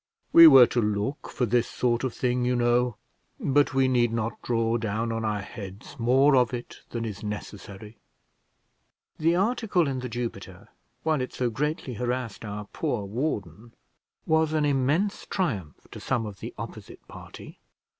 We were to look for this sort of thing, you know; but we need not draw down on our heads more of it than is necessary." The article in The Jupiter, while it so greatly harassed our poor warden, was an immense triumph to some of the opposite party.